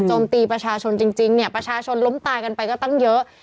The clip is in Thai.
มตีประชาชนจริงเนี่ยประชาชนล้มตายกันไปก็ตั้งเยอะ